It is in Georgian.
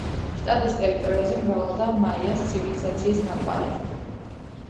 შტატის ტერიტორიაზე მრავლადაა მაიას ცივილიზაციის ნაკვალევი.